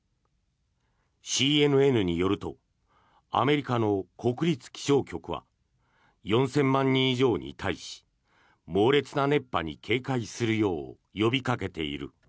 ＣＮＮによるとアメリカの国立気象局は４０００万人以上に対し猛烈な熱波に警戒するよう呼びかけている。